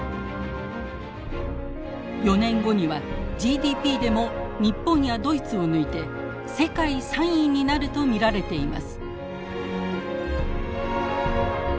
４年後にはＧＤＰでも日本やドイツを抜いて世界３位になると見られています。